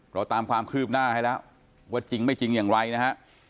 เราตามความคืบหน้าให้แล้วว่าจริงไม่จริงอย่างไรนะฮะ